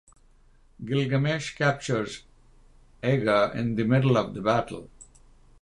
Gilgamesh captures Aga in the middle of the battle.